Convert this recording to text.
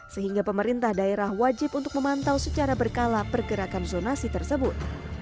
sehingga pemerintah daerah wajib untuk memantau secara berkala pergerakan zonasi tersebut